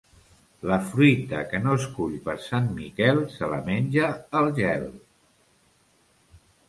La fruita que no es cull per Sant Miquel se la menja el gel.